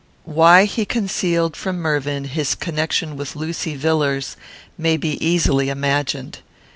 Why he concealed from Mervyn his connection with Lucy Villars may be easily imagined.